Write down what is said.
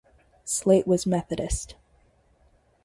Slate was Methodist.